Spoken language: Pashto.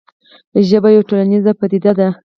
ژبه یوه ټولنیزه پدیده ده.